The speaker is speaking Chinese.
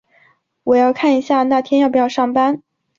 我要看一下那天要不要上班。